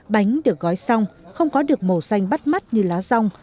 bánh được gói xong không có được màu xanh bắt mắt như lá rong